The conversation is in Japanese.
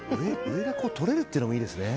上が取れるっていうのもいいですね。